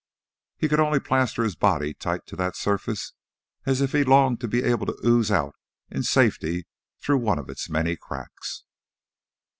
He could only plaster his body tight to that surface as if he longed to be able to ooze out into safety through one of its many cracks.